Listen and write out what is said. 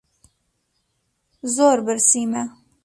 زۆر برسیمە.